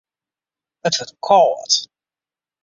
It wurdt kâld.